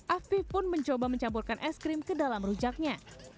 afif pun mencoba mencampurkan es krim ke dalam rujaknya